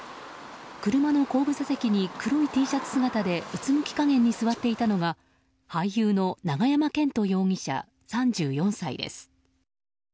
車の後部座席に黒いＴシャツ姿でうつむき加減に座っていたのは俳優の永山絢斗容疑者、３４歳です。